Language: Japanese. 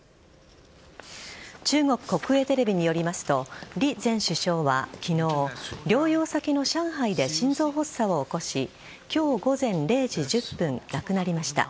中国国営テレビによりますと李前首相は昨日療養先の上海で心臓発作を起こし今日午前０時１０分亡くなりました。